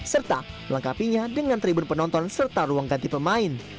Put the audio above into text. serta melengkapinya dengan tribun penonton serta ruang ganti pemain